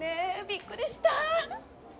びっくりした！